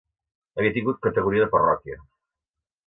Havia tingut categoria de parròquia.